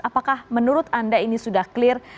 apakah menurut anda ini sudah clear